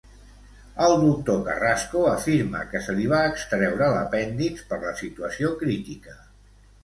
El doctor Carrasco afirma que se li va extreure l'apèndix per la situació crítica.